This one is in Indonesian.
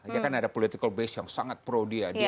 dia kan ada base politik yang sangat pro dia